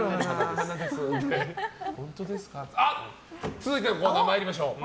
続いてのコーナー参りましょう。